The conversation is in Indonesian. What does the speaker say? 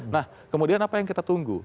nah kemudian apa yang kita tunggu